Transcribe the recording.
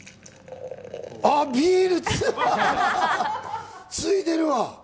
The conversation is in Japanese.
あっ、ビール、ついでるわ！